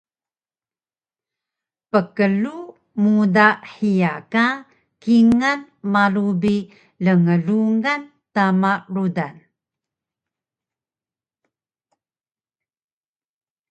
Pklug muda hiya ka kingal malu bi lnglungan tama rudan